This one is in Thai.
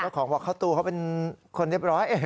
ก็ขอบอกเข้าตูเขาเป็นคนเรียบร้อย